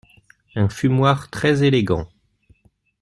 Un fumoir très élégant.